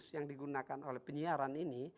yang digunakan oleh penyiaran ini